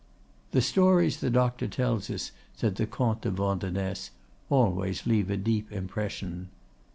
"The stories the doctor tells us," said the Comte de Vandenesse, "always leave a deep impression."